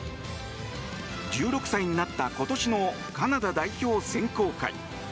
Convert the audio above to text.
１６歳になった今年のカナダ代表選考会。